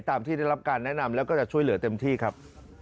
ที่ได้รับการแนะนำแล้วก็จะช่วยเหลือเต็มที่ครับ